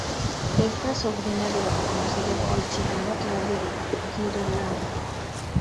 Es la sobrina de la reconocida actriz chilena Claudia Di Girolamo.